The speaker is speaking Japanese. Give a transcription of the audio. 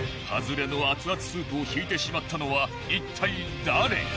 ハズレの熱々スープを引いてしまったのは一体誰？